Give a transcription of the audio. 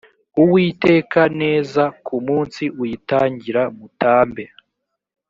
uwiteka neza ku munsi uyitangira mutambe